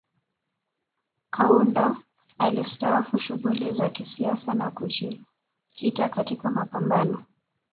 Kaunda alistaafu shughuli za kisiasa na kujikita katika mapambano